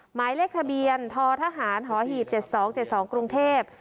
หมายเลขทะเบียนททหารหอหีบ๗๒๗๒กรุงเทพฯ